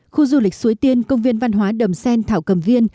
khu du lịch suối tiên công viên văn hóa đầm sen thảo cầm viên